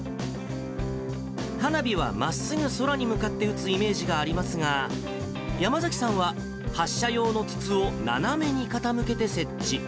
花火はまっすぐ空に打つイメージがありますが、山崎さんは発射用の筒を斜めに傾けて設置。